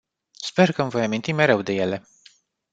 Sper că îmi voi aminti mereu de ele.